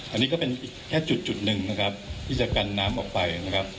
อันนี้ก็เป็นอีกแค่จุดหนึ่งนะครับที่จะกันน้ำออกไปนะครับ